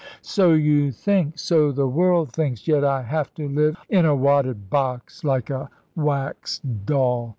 "So you think so the world thinks. Yet I have to live in a wadded box like a wax doll.